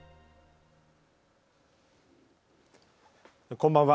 こんばんは。